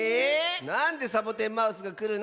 なんでサボテンマウスがくるの！